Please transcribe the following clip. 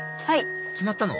決まったの？